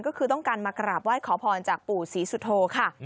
ก็คือต้องการมากราบไหว้ขอพรจากปู่ศรีสุโธค่ะ